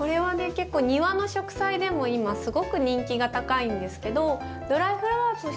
結構庭の植栽でも今すごく人気が高いんですけどドライフラワーとしても。